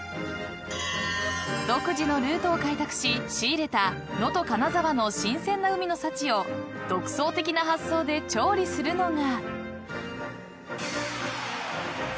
［独自のルートを開拓し仕入れた能登金沢の新鮮な海の幸を独創的な発想で調理するのが］